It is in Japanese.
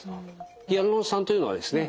ヒアルロン酸というのはですね